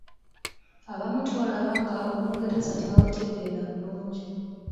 Abamu twalaba nga Olungereza tebalutegeera bulungi.